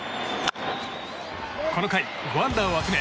この回、５安打を集め